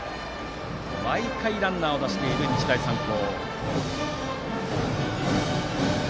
毎回ランナーを出している日大三高。